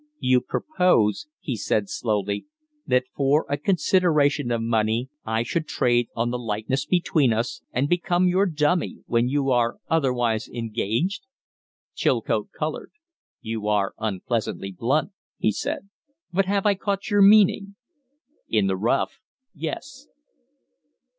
"You propose," he said, slowly, "that for a consideration of money I should trade on the likeness between us and become your dummy, when you are otherwise engaged?" Chilcote colored. "You are unpleasantly blunt," he said. "But I have caught your meaning?" "In the rough, yes."